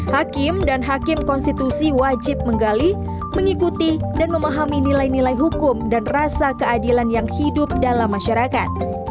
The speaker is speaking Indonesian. hakim dan hakim konstitusi wajib menggali mengikuti dan memahami nilai nilai hukum dan rasa keadilan yang hidup dalam masyarakat